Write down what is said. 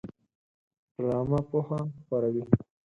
ډرامه پوهه خپروي